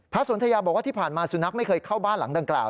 สนทยาบอกว่าที่ผ่านมาสุนัขไม่เคยเข้าบ้านหลังดังกล่าว